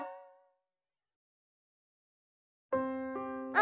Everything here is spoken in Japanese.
「あ！」